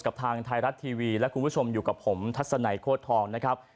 กับทางไทยรัฐทีวีและคุณผู้ชมอยู่กับผมทัศนัยโคตรทองนะครับ